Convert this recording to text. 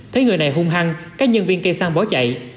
thấy người này hung hăng các nhân viên cây xăng bỏ chạy